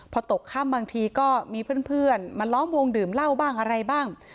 พอตกค่ำบางทีก็มีเพื่อนมาล้อมวงดื่มเหล้าบ้างอะไรบ้าง